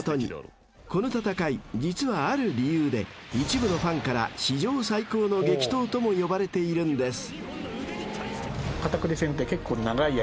［この戦い実はある理由で一部のファンから史上最高の激闘とも呼ばれているんです］